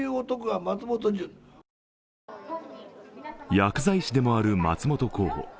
薬剤師でもある松本候補。